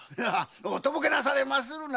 おとぼけなされまするな。